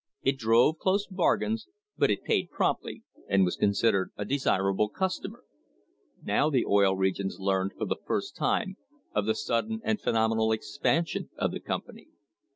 It drove close bargains, but it paid promptly, and was considered a desirable customer. Now the Oil Regions learned for the first time of the sudden and phenomenal expansion of the company.